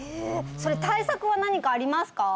それ対策は何かありますか？